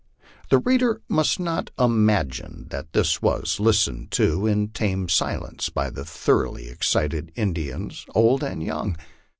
The reader must not imagine that this was listened to in tame silence by the thoroughly excited Indians, old and young.